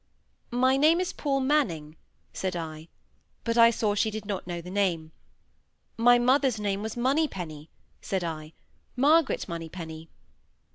"My name is Paul Manning," said I; but I saw she did not know the name. "My mother's name was Moneypenny," said I,—"Margaret Moneypenny."